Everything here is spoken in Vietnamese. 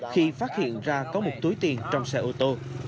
khi phát hiện ra có một túi tiền trong xe ô tô